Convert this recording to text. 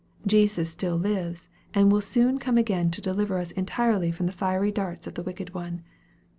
Jesus still lives, and will soon come again to deliver us entirely from the fiery darts of the wicked one.